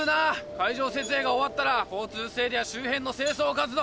会場設営が終わったら交通整理や周辺の清掃活動。